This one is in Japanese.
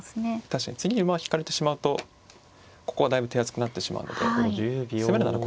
確かに次に馬を引かれてしまうとここはだいぶ手厚くなってしまうので攻めるなら